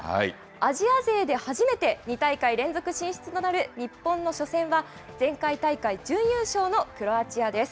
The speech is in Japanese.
アジア勢で初めて、２大会連続進出となる日本の初戦は、前回大会準優勝のクロアチアです。